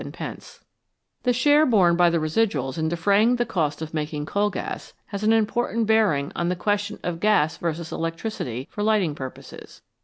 282 VALUABLE SUBSTANCES The share borne by the residuals in defraying the cost of making coal gas has an important bearing on the question of gas versus electricity for lighting purposes.